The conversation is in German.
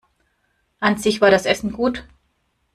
An sich war das Essen gut.